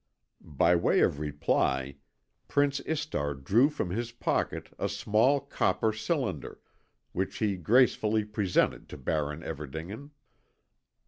By way of reply, Prince Istar drew from his pocket a small copper cylinder, which he gracefully presented to Baron Everdingen.